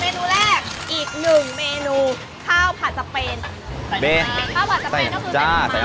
เพราะว่าสีมันจะเป็นแบบเหลืองเนอะ